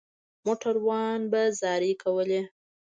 موټروان به زارۍ کولې.